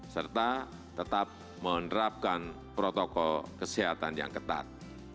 serta tetap menerapkan protokol kesehatan yang ketat